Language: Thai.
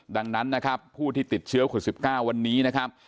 ดังนั้นนะครับผู้ที่ติดเชื้อคน๑๙วันนี้นะครับ